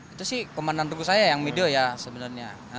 itu sih komandan tugu saya yang video ya sebenarnya